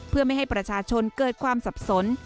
เพื่อไม่ให้ประชาชนเกิดความสับสน